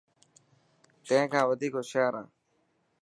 تين کان وڌيڪ هوشيار هان.